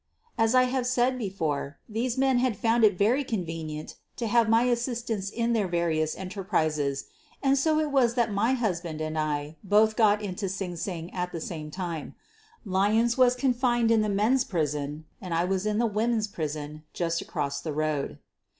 As I have said be fore, these men had found it very convenient to have my assistance in their various enterprises, and so it was that my husband and I both got into Sing* Sing at the same time — Lyons was confined in the men's prison and I was in the women's prison just across the road.